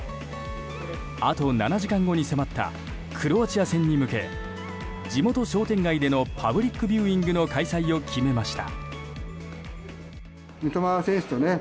あと７時間後に迫ったクロアチア戦に向け地元商店街でのパブリックビューイングの開催を決めました。